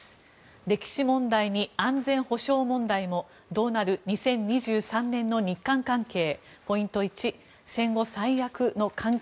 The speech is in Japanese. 歴史問題に安全保障問題もどうなる２０２３年の日韓関係。